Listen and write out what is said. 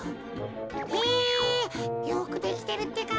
へえよくできてるってか。